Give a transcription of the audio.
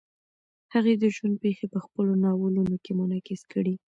هغې د ژوند پېښې په خپلو ناولونو کې منعکس کړې.